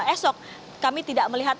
esok kami tidak melihat